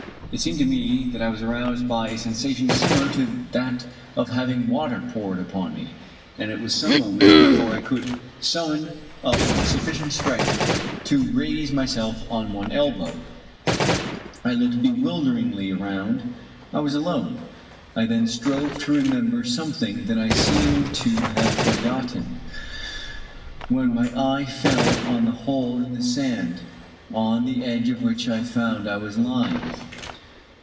It seemed to me that I was aroused by a sensation similar to that of having water poured upon me, and it was some moments before I could summon up sufEcient strength to raise myself on one elbow. I looked bewilderingly around : I was alone ! I then strove to remember something that I seemed to have forgotten, when my eye fell on the hole in the sand, on the edge of which I found I was lying.